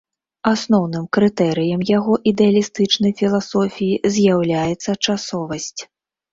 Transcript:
Асноўным крытэрыем яго ідэалістычнай філасофіі з'яўляецца часовасць.